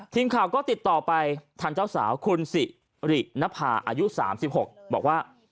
ทีมข่าวก็ติดต่อไปทางเจ้าสาวคุณสิรินภาอายุ๓๖บอกว่า